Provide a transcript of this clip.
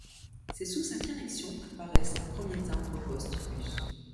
C'est sous sa direction que paraissent les premiers timbres-poste russes.